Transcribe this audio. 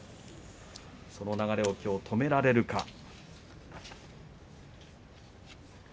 その流れをきょう止められるか。